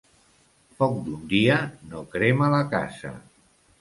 Foc d'un dia no crema la casa.